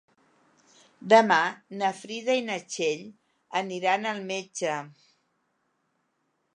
Demà na Frida i na Txell aniran al metge.